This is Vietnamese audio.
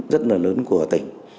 rất là lớn của tỉnh